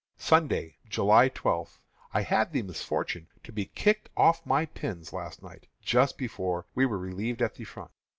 Sunday, July 12. I had the misfortune to be kicked off my pins last night, just before we were relieved at the front.